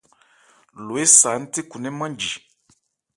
Lo ésa nthékhunmɛ́n nmánji.